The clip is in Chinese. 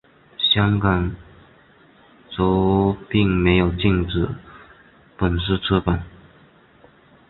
香港则并没有禁止本书出版。